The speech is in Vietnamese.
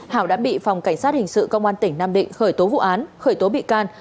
hảo đã bị phòng cảnh sát hình sự công an tỉnh nam định khởi tố vụ án khởi tố bị can